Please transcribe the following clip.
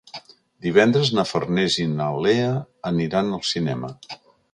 Divendres na Farners i na Lea aniran al cinema.